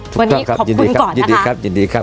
วันนี้ขอบคุณก่อนนะคะยินดีครับยินดีครับยินดีครับ